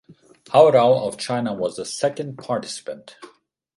Hao Rao of China was the second participant.